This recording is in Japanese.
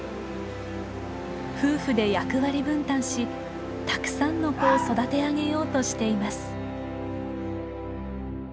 夫婦で役割分担したくさんの子を育て上げようとしています。